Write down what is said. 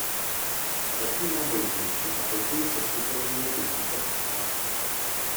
Začíná boj s meči a později se připojuje i zbytek posádky.